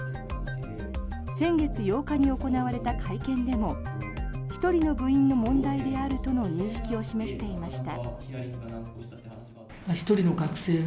先月８日に行われた会見でも１人の部員の問題であるとの認識を示していました。